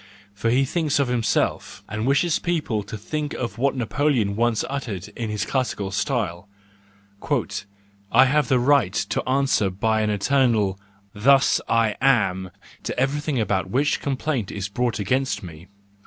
For he thinks of himself, and wishes people to think of him what Napoleon once uttered in his classical style—" I have the right to answer by an eternal ' thus I am 1 to everything about which complaint is brought against me.